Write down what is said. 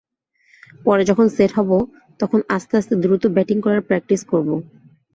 পরে যখন সেট হব, তখন আস্তে আস্তে দ্রুত ব্যাটিং করার প্র্যাকটিস করব।